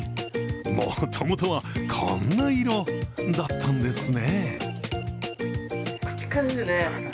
もともとはこんな色だったんですね。